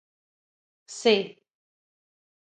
C